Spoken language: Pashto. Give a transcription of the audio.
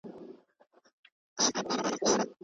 د جرګي او حکومت اختلاف څنګه حلیږي؟